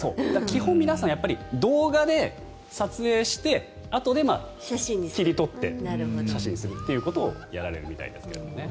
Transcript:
基本、皆さん動画で撮影してあとで切り取って写真にするということをやられるみたいですけどね。